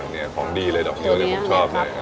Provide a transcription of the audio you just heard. นี่ของดีเลยดอกนิ้วเลยผมชอบ